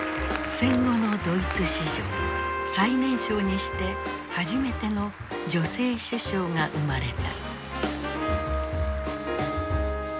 戦後のドイツ史上最年少にして初めての女性首相が生まれた。